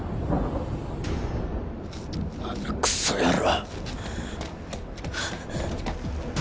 あのクソ野郎！